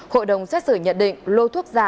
hội đồng xét xử nhận định lô thuốc giả